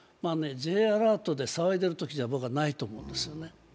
Ｊアラートで騒いでるときではないと僕は思うんですね。